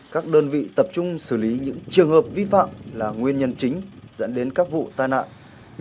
các đơn vị tập trung xử lý những trường hợp vi phạm là nguyên nhân chính dẫn đến các vụ tai nạn